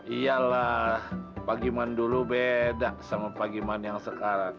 iya lah pak giman dulu beda sama pak giman yang sekarang